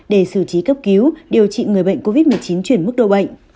để xử trí cấp cứu điều trị người bệnh covid một mươi chín chuyển mức độ bệnh